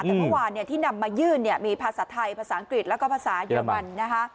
แต่เมื่อวานที่นำมายื่นเนี่ยมีภาษาไทยภาษาอังกฤษแล้วก็ภาษาเยอรมันนะคะ